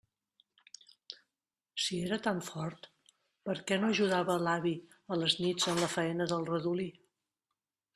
Si era tan fort, per què no ajudava l'avi a les nits en la faena del redolí?